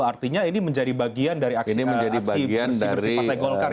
artinya ini menjadi bagian dari aksi versi partai golkar yang sempat didengungkan